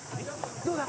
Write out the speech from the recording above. どうだ！？